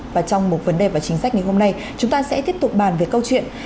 và trong một vấn đề và chính sách ngày hôm nay chúng ta sẽ tiếp tục bàn về câu chuyện